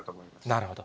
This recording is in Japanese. なるほど。